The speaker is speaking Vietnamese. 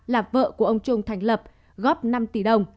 là vợ của ông trung thành lập góp năm tỷ đồng